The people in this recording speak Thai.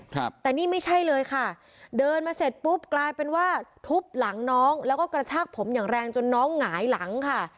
ครับแต่นี่ไม่ใช่เลยค่ะเดินมาเสร็จปุ๊บกลายเป็นว่าทุบหลังน้องแล้วก็กระชากผมอย่างแรงจนน้องหงายหลังค่ะ